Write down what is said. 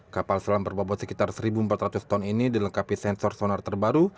kapal selam berbobot sekitar satu empat ratus ton ini dilengkapi sensor sonar terbaru